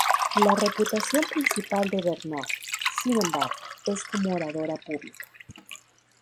La reputación principal de Bernard, sin embargo, es como oradora pública.